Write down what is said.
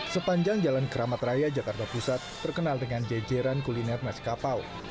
sepanjang jalan keramat raya jakarta pusat terkenal dengan jajaran kuliner nasi kapau